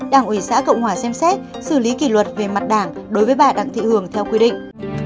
đảng ủy xã cộng hòa xem xét xử lý kỷ luật về mặt đảng đối với bà đặng thị hường theo quy định